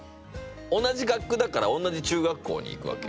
同じ学区だから同じ中学校に行くわけよ。